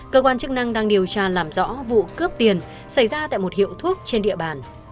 cơ quan chức năng đang điều tra làm rõ vụ cướp tiền xảy ra tại một hiệu thuốc trên địa bàn